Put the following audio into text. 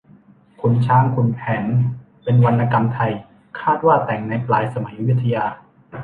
ขุนช้างขุนแผนเป็นวรรณกรรมไทย คาดว่าแต่งในปลายสมัยอยุธยา